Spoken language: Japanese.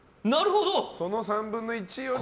その３分の１より。